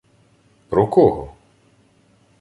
— Про кого?